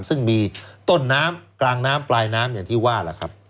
ซึ่งมีต้นน้ำกลางน้ำปลายน้ำอย่างที่ว่าล่ะครับ